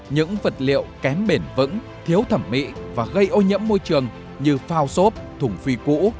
những vật liệu kém bền vững thiếu thẩm mỹ và gây ô nhiễm môi trường như phao xốp thùng phì cũ